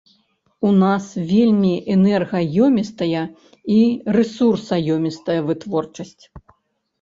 У нас вельмі энергаёмістая і рэсурсаёмістая вытворчасць.